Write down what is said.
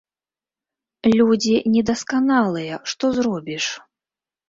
Людзі недасканалыя, што зробіш.